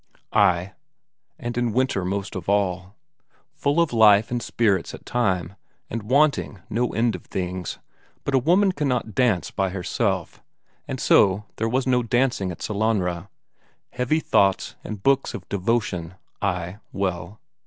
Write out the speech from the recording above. Ay, and in winter most of all. Full of life and spirits at times, and wanting no end of things but a woman cannot dance by herself, and so there was no dancing at Sellanraa. Heavy thoughts and books of devotion? Ay, well....